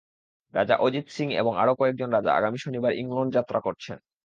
রাজা অজিত সিং এবং আরও কয়েকজন রাজা আগামী শনিবার ইংলণ্ড যাত্রা করছেন।